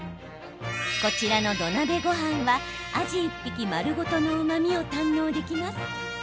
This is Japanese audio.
こちらの土鍋ごはんはアジ１匹、丸ごとのうまみを堪能できます。